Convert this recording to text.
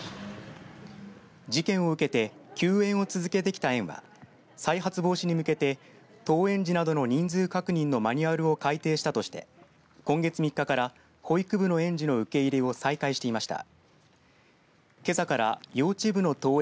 事件を受けて休園を続けてきた園は再発防止に向けて登園児などの人数確認のマニュアル改定したとして今月３日から保育部の園児の受け入れを再開していました。